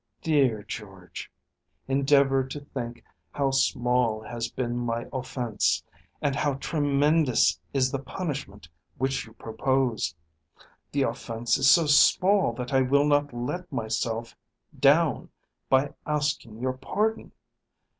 Dear George, endeavour to think how small has been my offence and how tremendous is the punishment which you propose. The offence is so small that I will not let myself down by asking your pardon.